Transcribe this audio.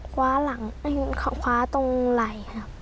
คว้าหลังไปคว้าตรงไหล่ครับ